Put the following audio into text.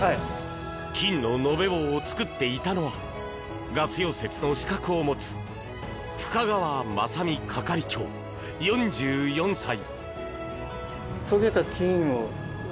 金の延べ棒を作っていたのはガス溶接の資格を持つ深川正美係長、４４歳。